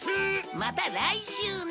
「また来週」ね